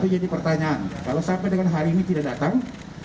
pertanyaan kalau sampai dengan hari ini tidak datang